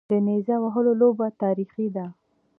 د نیزه وهلو لوبه تاریخي ده